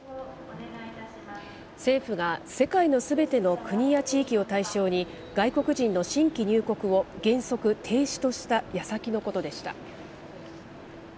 政府が世界のすべての国や地域を対象に、外国人の新規入国を原則停止としたやさきのことでした。